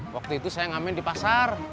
waktu itu saya ngamen di pasar